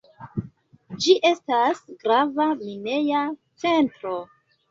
Ĝi estas grava mineja centro.